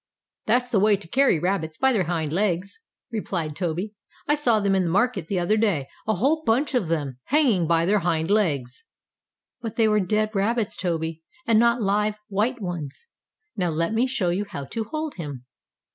"That's the way to carry rabbits, by their hind legs," replied Toby. "I saw them in the market the other day a whole bunch of them hanging by their hind legs." "But they were dead rabbits, Toby, and not live, white ones. Now let me show you how to hold him."